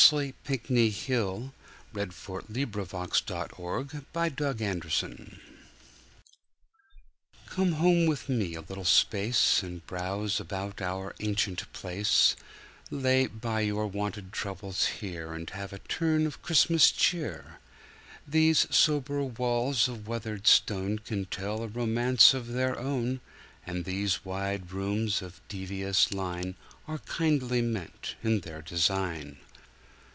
bartleby.com/269/52.htmlAccessed November 16, 2006COME home with me a little space And browse about our ancient place, Lay by your wonted troubles here And have a turn of Christmas cheer. These sober walls of weathered stoneCan tell a romance of their own, And these wide rooms of devious line Are kindly meant in their design.